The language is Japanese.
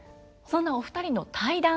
そんなお二人の対談